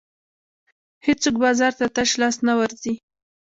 هېڅوک بازار ته تش لاس نه ورځي.